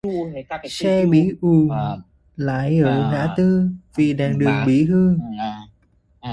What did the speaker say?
Xe bị ùn lại ở ngã tư vì đèn đường bị hư